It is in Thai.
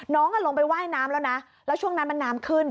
ลงไปว่ายน้ำแล้วนะแล้วช่วงนั้นมันน้ำขึ้น